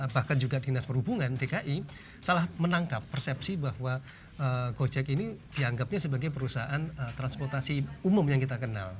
bahkan juga dinas perhubungan dki salah menangkap persepsi bahwa gojek ini dianggapnya sebagai perusahaan transportasi umum yang kita kenal